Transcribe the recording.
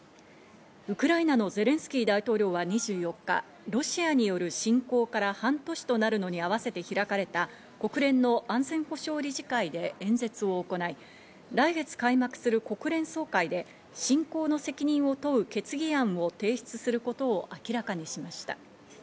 ウクライナのゼレンスキー大統領は２４日、ロシアによる侵攻から半年となるのに合わせて開かれた国連の安全保障理事会で演説を行い、来月開幕する国連総会で侵攻の責任を問う決議案を提出することを明らかにしました。